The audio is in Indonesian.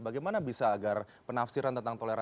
bagaimana bisa agar penafsiran tentang toleransi